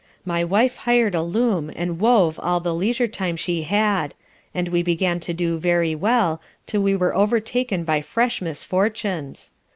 My wife hired a loom and wove all the leisure time she had and we began to do very well, till we were overtaken by fresh misfortunes.